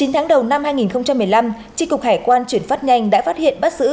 chín tháng đầu năm hai nghìn một mươi năm tri cục hải quan chuyển phát nhanh đã phát hiện bắt giữ